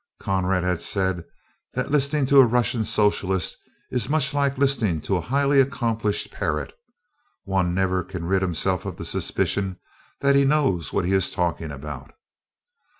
Conrad has said that listening to a Russian socialist is much like listening to a highly accomplished parrot one never can rid himself of the suspicion that he knows what he is talking about.